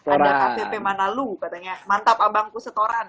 ada kpp manalu katanya mantap abangku setoran